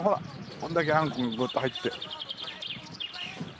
これだけあんこがグッと入って。